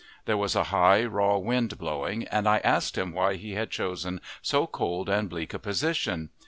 There was a high, raw wind blowing, and I asked him why he had chosen so cold and bleak a position.